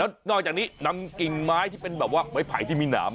แล้วนอกจากนี้นำกิ่งไม้ที่เป็นแบบว่าไม้ไผ่ที่มีหนาม